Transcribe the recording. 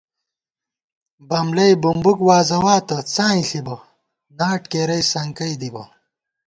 بملَئی بُمبُک وازَواتہ، څائیں ݪِبہ، ناٹ کېرَئی سنکَئی دِبہ